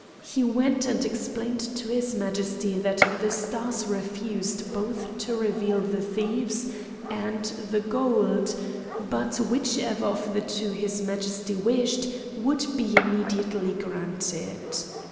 He went, and explained to his Majesty that the stars refused both to reveal the thieves and the gold, but whichever of the two his Majesty wished would be immediately granted.